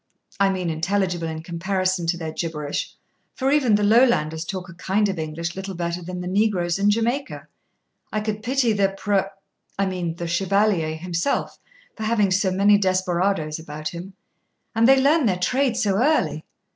I mean intelligible in comparison to their gibberish, for even the Lowlanders talk a kind of English little better than the Negroes in Jamaica. I could pity the Pr , I mean the, Chevalier himself, for having so many desperadoes about him. And they learn their trade so early.